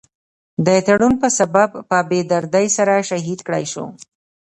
د تړون پۀ سبب پۀ بي دردۍ سره شهيد کړے شو ۔